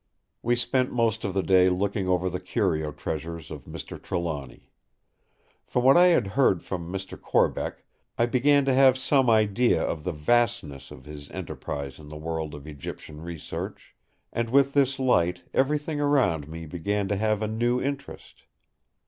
We spent most of the day looking over the curio treasures of Mr. Trelawny. From what I had heard from Mr. Corbeck I began to have some idea of the vastness of his enterprise in the world of Egyptian research; and with this light everything around me began to have a new interest.